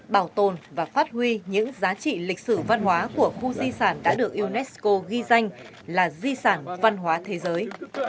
bảo tồn và phát huy những giá trị lịch sử văn hóa của khu di sản đã được unesco ghi danh là di sản văn hóa thế giới